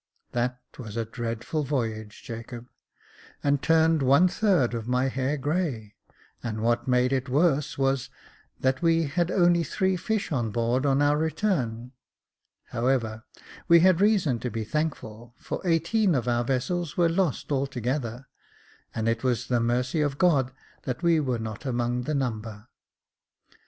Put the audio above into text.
That was a dreadful voyage, Jacob, and turned one third of my hair grey ; and what made it worse was, that we had only three fish on board on our return. However, we had reason to be thankful, for eighteen of our vessels were lost altogether, and it was the mercy of God that we were not among the number."